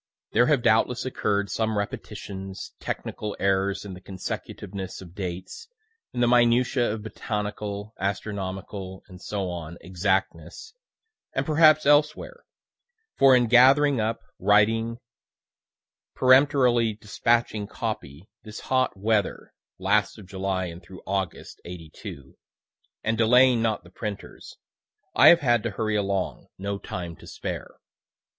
There have doubtless occurr'd some repetitions, technical errors in the consecutiveness of dates, in the minutiae of botanical, astronomical, &c., exactness, and perhaps elsewhere; for in gathering up, writing, peremptorily dispatching copy, this hot weather, (last of July and through August, '82,) and delaying not the printers, I have had to hurry along, no time to spare.